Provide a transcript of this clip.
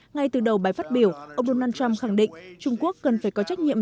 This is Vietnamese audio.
ngay từ đầu bài phát biểu ông donald trump khẳng định trung quốc cần phải có trách nhiệm